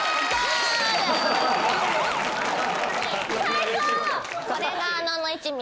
最高！